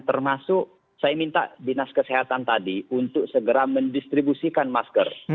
termasuk saya minta dinas kesehatan tadi untuk segera mendistribusikan masker